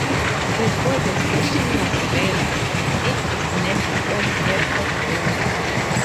Before the station was built, it is named Old Airport Road.